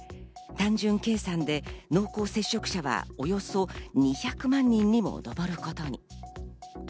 単純計算で濃厚接触者はおよそ２００万人にも上ることに。